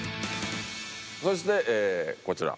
そしてこちら。